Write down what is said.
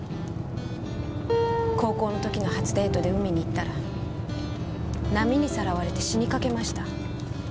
高校の時の初デートで海に行ったら波にさらわれて死にかけました。